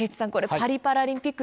パリパラリンピック